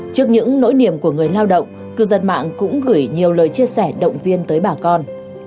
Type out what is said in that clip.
trước những nỗi niềm của người lao động cư dân mạng cũng gửi nhiều lời chia sẻ động viên tới bà con